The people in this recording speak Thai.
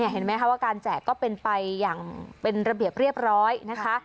เห็นไหมคะว่าการแจกก็เป็นไปอย่างเป็นระเบียบเรียบร้อยนะคะ